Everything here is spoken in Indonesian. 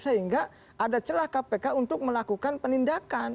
sehingga ada celah kpk untuk melakukan penindakan